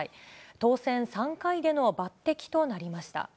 当選３回での抜てきとなりました。